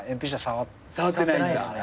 触ってないですね。